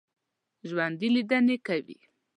ژوندي لیدنې کوي